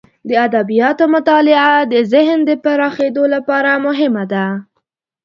د ادبیاتو مطالعه د ذهن د پراخیدو لپاره مهمه ده.